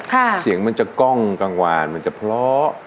เสียงมันจะกล้องกลางวานมันจะเพราะ